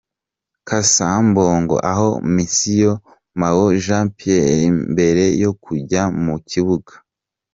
Cassa Mbungo aha misiyo Maombi Jean Pierre mbere yo kujya mu kibuga .